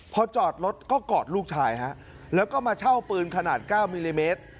พอจอดรถก็กอดลูกชายฮะแล้วก็มาเช่าปืนขนาด๙มิลลิเมตร